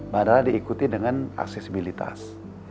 bandara diikuti dengan aksesibilitas